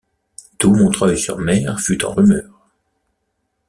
Tout Montreuil-sur-Mer fut en rumeur.